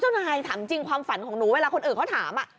นายถามจริงความฝันของหนูเวลาคนอื่นเขาถาม